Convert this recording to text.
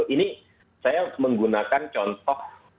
ini saya menggunakan contoh